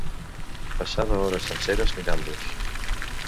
Passava hores senceres mirant-los